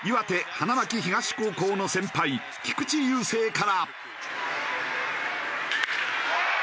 花巻東高校の先輩菊池雄星から。